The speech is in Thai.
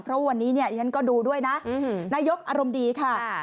เพราะวันนี้เนี่ยดิฉันก็ดูด้วยนะนายกอารมณ์ดีค่ะ